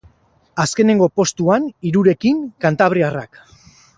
Azkenengo postuan, hirurekin, kantabriarrak.